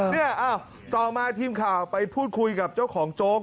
เนี่ยต่อมาทีมข่าวไปพูดคุยกับเจ้าของโจ๊ก